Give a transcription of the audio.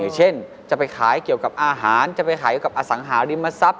เช่นจะไปขายเกี่ยวกับอาหารจะไปขายเกี่ยวกับอสังหาริมทรัพย